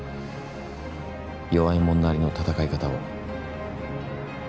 弱いもんなりの闘い方を。